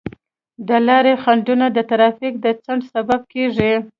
د لارې خنډونه د ترافیک د ځنډ سبب کیږي.